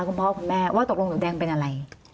คุณพ่อคุณแม่ว่าตกลงหนูแดงเป็นอะไร